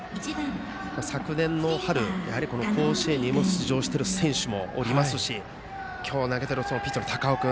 昨年の春、甲子園に出場している選手もいますし今日、投げているピッチャーの高尾君